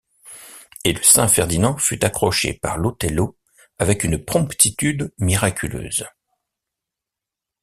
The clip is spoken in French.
Et le Saint-Ferdinand fut accroché par l’Othello avec une promptitude miraculeuse.